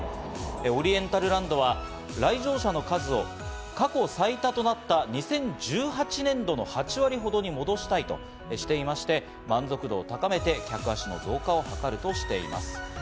オリエンタルランドは来場者の数を過去最多となった２０１８年度の８割ほどに戻したいとしていまして、満足度を高めて、客足の増加を図るとしています。